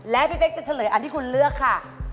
แล้วเพฟเฟคจะเฉลยอันที่คุณเลือกค่ะ